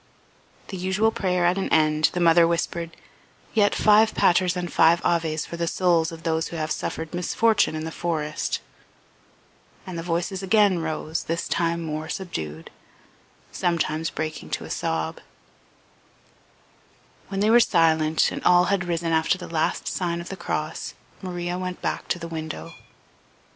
The usual prayer at an end, the mother whispered: "Yet five Paters and five Aves for the souls of those who have suffered misfortune in the forest." And the voices again rose, this time more subdued, breaking sometimes to a sob. When they were silent, and all had risen after the last sign of the cross, Maria went back to the window.